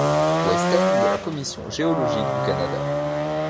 Weston de la Commission geologique du Canada.